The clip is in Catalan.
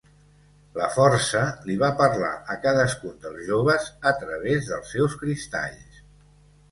La Força li va parlar a cadascun dels joves a través dels seus cristalls.